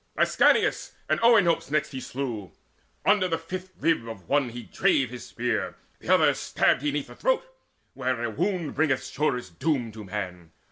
Ascanius and Oenops next he slew; Under the fifth rib of the one he drave His spear, the other stabbed he 'neath the throat Where a wound bringeth surest doom to man.